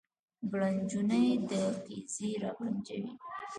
ګړنجونې د قیزې را ګړنجوي